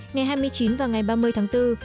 ngày hai mươi chín và ngày ba mươi tháng bốn